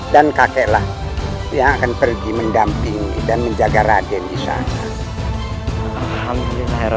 dan kakeklah yang akan pergi mendampingi dan menjaga raden di sana